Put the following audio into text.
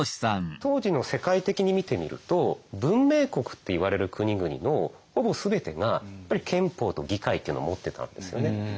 当時の世界的に見てみると文明国っていわれる国々のほぼ全てがやっぱり憲法と議会っていうのを持ってたんですよね。